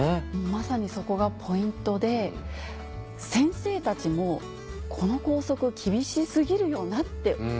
まさにそこがポイントで先生たちも「この校則厳し過ぎるよな」って悩みながら指導をしていたっていう